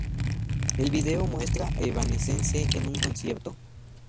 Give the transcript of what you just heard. El video muestra a Evanescence en un concierto.